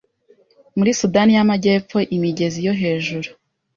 muri Sudani y'Amajyepfo imigezi yo hejuru